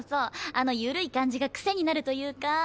あのユルい感じが癖になるというか。